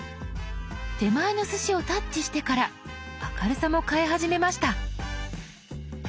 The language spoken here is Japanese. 手前のすしをタッチしてから明るさも変え始めました。